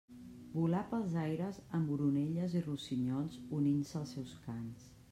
Volà pels aires amb oronelles i rossinyols unint-se als seus cants.